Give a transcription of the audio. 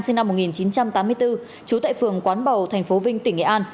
sinh năm một nghìn chín trăm tám mươi bốn chú tại phường quán bầu tp vinh tỉnh nghệ an